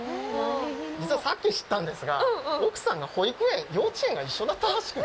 実はさっき知ったんですが奥さんが幼稚園一緒だったらしくて。